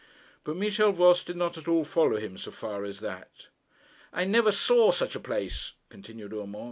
But Michel Voss did not at all follow him so far as that. 'I never saw such a place,' continued Urmand.